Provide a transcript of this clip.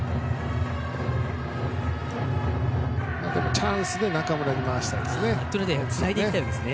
チャンスで中村に回したいですね。